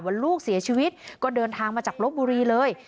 ลูกเสียชีวิตก็เดินทางมาจากลบบุรีเลย